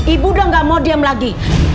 ibu dah nggak mau diam lagi